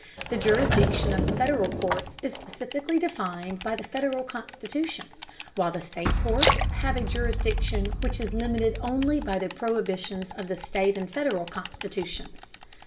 The jurisdiction of the Federal courts is specifically defined by the Federal Constitution, while the state courts have a jurisdiction which is limited only by the prohibitions of the state and Federal Constitutions.